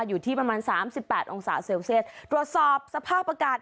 อยู่ที่ประมาณสามสิบแปดองศาเซลเซียสตรวจสอบสภาพอากาศ